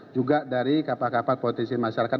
juga dari kapal kapal potensi masyarakat